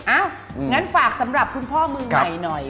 งั้นฝากสำหรับคุณพ่อมือใหม่หน่อย